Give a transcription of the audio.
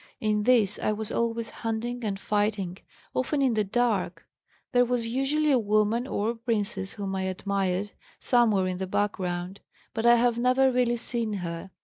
In this I was always hunting and fighting, often in the dark; there was usually a woman or a princess, whom I admired, somewhere in the background, but I have never really seen her.